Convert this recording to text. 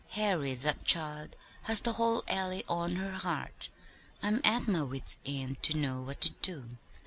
Harry, that child has the whole Alley on her heart. I'm at my wits' end to know what to do.